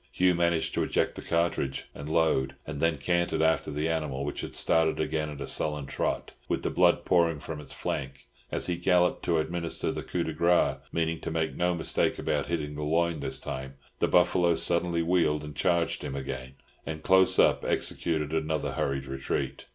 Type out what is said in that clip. Hugh managed to eject the cartridge and load, and then cantered after the animal, which had started again at a sullen trot, with the blood pouring from its flank. As he galloped up to administer the "coup de grace," meaning to make no mistake about hitting the loin this time, the buffalo suddenly wheeled and charged him again, and Close Up executed another hurried retreat.